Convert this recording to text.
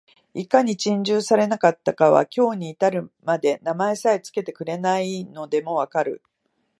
いかに珍重されなかったかは、今日に至るまで名前さえつけてくれないのでも分かる